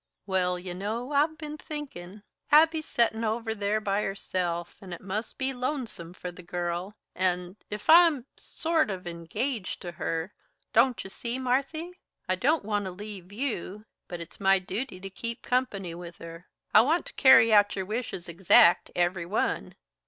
"Well, you know I've ben thinkin' Abby's settin' over there by herself, and it must be lonesome for the girl. And if I'm sort of engaged to her don't you see, Marthy? I don't want to leave you but it's my duty to keep company with her. I want to carry out your wishes exact every one.